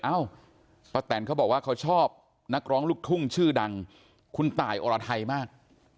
เอ้าป้าแตนเขาบอกว่าเขาชอบนักร้องลูกทุ่งชื่อดังคุณตายอรไทยมาก